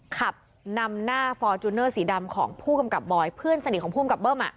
ขับนำหน้าฟอร์จูเนอร์สีดำของผู้กำกับบอยเพื่อนสนิทของภูมิกับเบิ้ม